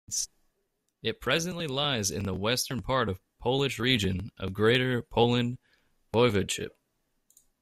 It presently lies in the western part of Polish region of Greater Poland Voivodeship.